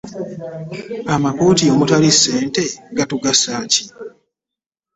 Amakooti omutali ssente gatugasa ki?